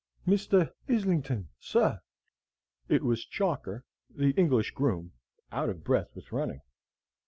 "Mister Hislington, sir!" It was Chalker, the English groom, out of breath with running.